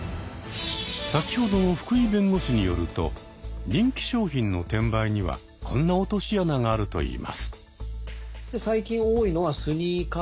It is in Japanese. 先ほどの福井弁護士によると人気商品の転売にはこんな落とし穴があるといいます。